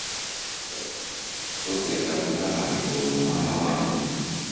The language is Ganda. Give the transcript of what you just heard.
Tokeza nogamba nti oyo omwana wange.